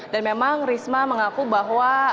dan memang trisma mengaku bahwa